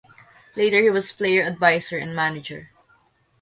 Later he was player advisor and manager.